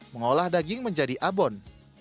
mengolah daging menjadi abon